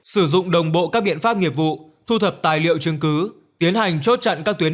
sử dụng đồng bộ các biện pháp nghiệp vụ thu thập tài liệu chứng cứ tiến hành chốt chặn các tuyến